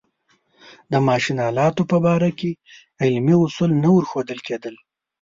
د ماشین آلاتو په باره کې علمي اصول نه ورښودل کېدل.